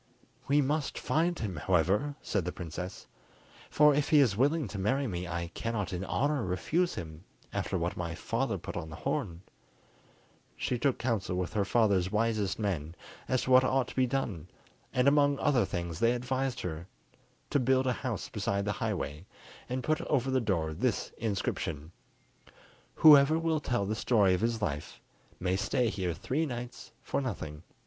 "We must find him, however," said the princess; "for if he is willing to marry me I cannot in honour refuse him, after what my father put on the horn." She took council with her father's wisest men as to what ought to be done, and among other things they advised her to build a house beside the highway, and put over the door this inscription:—"Whoever will tell the story of his life, may stay here three nights for nothing."